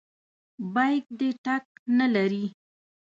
بیک دې ټک نه لري.